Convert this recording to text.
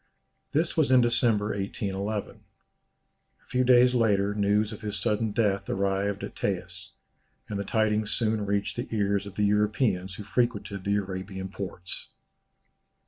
This was in December, 1811. A few days later news of his sudden death arrived at Taes, and the tidings soon reached the ears of the Europeans who frequented the Arabian ports.